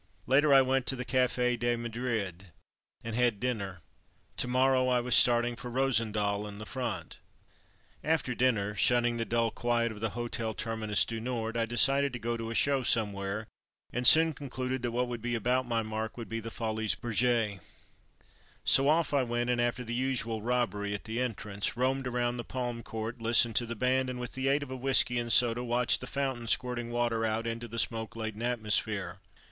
Later I went to the Cafe de Madrid and had dinner. To morrow I was starting for Rosendael and the front. After dinner, shunning the dull quiet of the Hotel Terminus du Nord, I decided to go to a show somewhere, and soon con cluded that what would be about my mark would be the Folies Bergeres. So off I went, and after the usual robbery at the entrance, Folies Berg^res 155 roamed around the palm court, listened to the band, and with the aid of a whisky and soda, watched the fountains squirting water out into the smoke laden atmosphere.